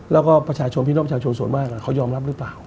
แล้วก็ประชาชนพี่น้องชาวชนส่วนมากเขายอมรับหรือเปล่า